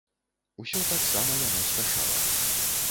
Усё таксама яна спяшала.